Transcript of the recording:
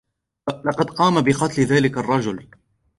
لقد قام بقتل ذاك الرجل.